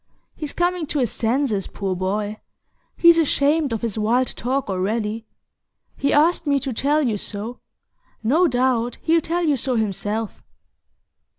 He's coming to his senses, poor boy; he's ashamed of his wild talk already. He asked me to tell you so; no doubt he'll tell you so himself."